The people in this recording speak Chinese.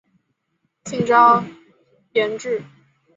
金朝沿置。